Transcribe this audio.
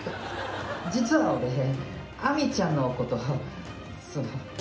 実は俺アミちゃんのことその。